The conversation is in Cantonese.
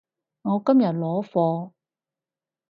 我今日攞貨